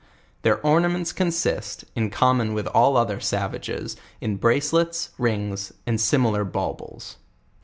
Their ornaments consist, in common with all other savages, in bracelets, rings, and similar baubles.